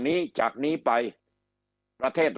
คำอภิปรายของสอสอพักเก้าไกลคนหนึ่ง